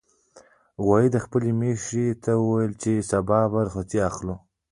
غویي خپلې میښې ته وویل چې سبا به رخصتي اخلي.